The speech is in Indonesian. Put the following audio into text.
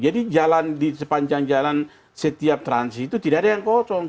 jadi di sepanjang jalan setiap transisi itu tidak ada yang kosong